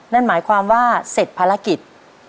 นั่นหมายความว่าเสร็จภารกิจ